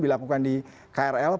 dilakukan di krl